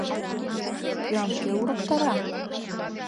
Пӱям кӧ урыктара?